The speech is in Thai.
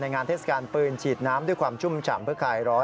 งานเทศกาลปืนฉีดน้ำด้วยความชุ่มฉ่ำเพื่อคลายร้อน